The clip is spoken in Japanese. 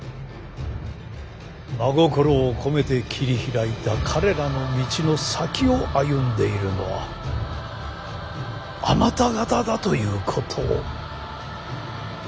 真心を込めて切り開いた彼らの道の先を歩んでいるのはあなた方だということを。